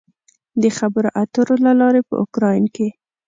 د خبرو اترو له لارې په اوکراین کې